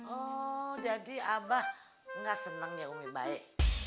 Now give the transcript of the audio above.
oh jadi abah nggak senang ya umi baik